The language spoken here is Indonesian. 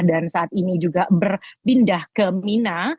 dan saat ini juga berpindah ke mina